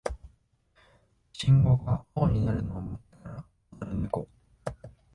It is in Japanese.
信号が青になるのを待ってから渡るネコ